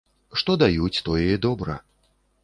Што даюць, тое і добра.